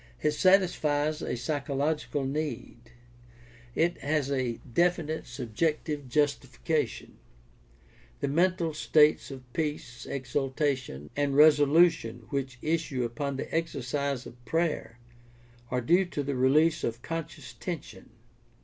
It satisfies a psychological need. It has a definite subjective justification. The mental states of peace, exultation, and resolution which issue upon the exercise of prayer are due to the release of conscious tension.